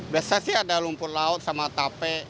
biasa sih ada rumput laut sama tape